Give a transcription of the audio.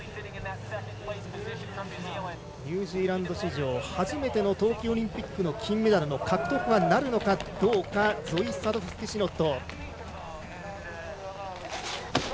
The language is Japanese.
ニュージーランド史上初めての冬季オリンピックの金メダルの獲得はなるのかどうかゾイ・サドフスキシノット。